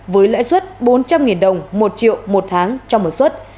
với lãi suất bốn trăm linh đồng một triệu một tháng trong một suất